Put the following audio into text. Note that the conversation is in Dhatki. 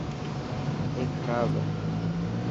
اي کراب هي.